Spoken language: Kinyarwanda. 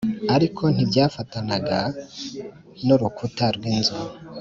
ariko ntibyafatanaga n urukuta rw inzu